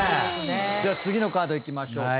では次のカードいきましょうか。